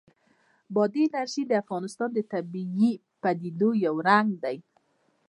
بادي انرژي د افغانستان د طبیعي پدیدو یو رنګ دی.